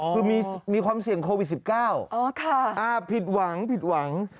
คือมีความเสี่ยงโควิด๑๙ผิดหวังผิดหวัง